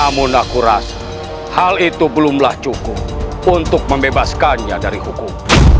namun aku rasa hal itu belumlah cukup untuk membebaskannya dari hukum